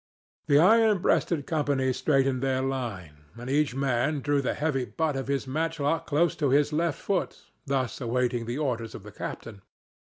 The iron breasted company straightened their line, and each man drew the heavy butt of his matchlock close to his left foot, thus awaiting the orders of the captain.